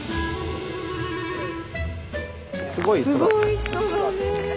すごい人だね。